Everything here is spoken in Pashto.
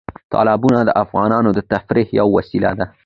تالابونه د افغانانو د تفریح یوه وسیله ده.